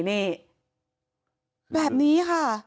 นี่แบบนี้ค่ะ